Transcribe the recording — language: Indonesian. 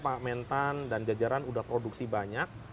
pangkamentan dan jajaran sudah produksi banyak